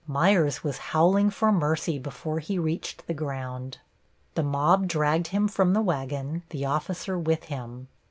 Meyers was howling for mercy before he reached the ground. The mob dragged him from the wagon, the officer with him.